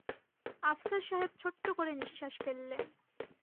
আফসার সাহেব ছোট্ট করে নিঃশ্বাস ফেললেন।